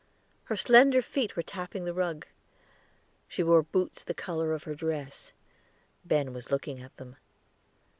Her slender feet were tapping the rug. She wore boots the color of her dress; Ben was looking at them.